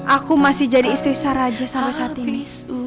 aku masih jadi istri sarah aja sampai saat ini